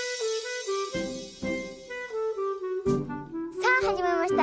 さあ始まりました